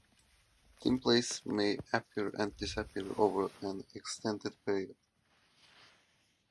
Dimples may appear and disappear over an extended period.